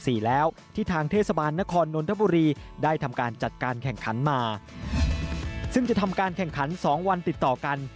ซึ่งจะทำการแข่งขัน๒วันติดต่อกัน